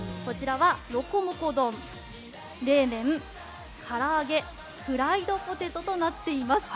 ロコモコ丼に冷麺、唐揚げフライドポテトとなっています。